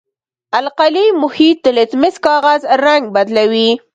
القلي محیط د لتمس کاغذ رنګ بدلوي.